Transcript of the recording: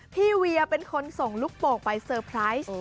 เวียเป็นคนส่งลูกโป่งไปเซอร์ไพรส์